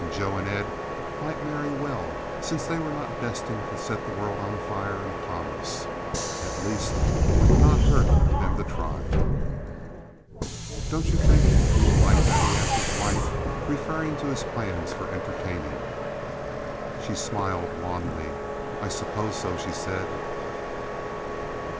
Joe and Ed might marry well, since they were not destined to set the world on fire in commerce. At least it would not hurt them to try. "Don't you think you will like that?" he asked his wife, referring to his plans for entertaining. She smiled wanly. "I suppose so," she said.